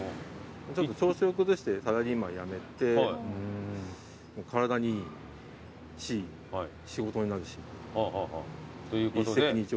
ちょっと調子を崩してサラリーマン辞めて体にいいし仕事になるし一石二鳥で。